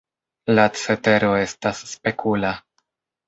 La cetero estas spekula.